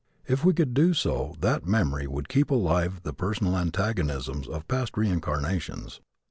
If we could do so that memory would keep alive the personal antagonisms of past reincarnations.